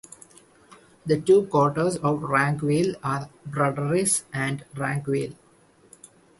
The two quarters of Rankweil are Brederis and Rankweil.